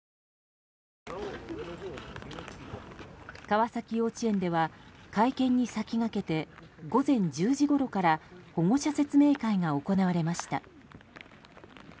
川崎幼稚園では会見に先駆けて午前１０時ごろから保護者説明会が行われました。